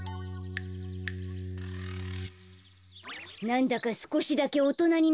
なんだかすこしだけおとなになったきがするよ。